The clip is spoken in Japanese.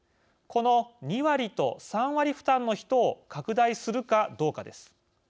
この２割と３割負担の人を拡大するかどうかです。